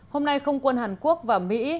hôm nay không quân hàn quốc và mỹ